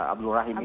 abdul rahim itu